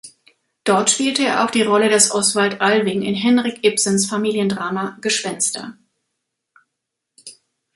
Dort spielte er auch die Rolle des Osvald Alving in Henrik Ibsens Familiendrama "Gespenster".